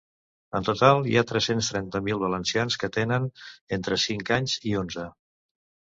En total, hi ha tres-cents trenta mil valencians que tenen entre cinc anys i onze.